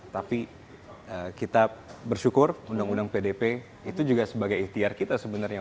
tapi kita bersyukur undang undang pdp itu juga sebagai ikhtiar kita sebenarnya